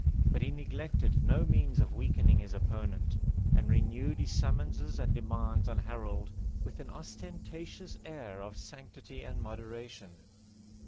But he neglected no means of weakening his opponent, and renewed his summonses and demands on Harold with an ostentatious air of sanctity and moderation.